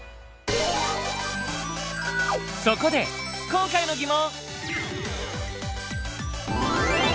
そこで今回の疑問！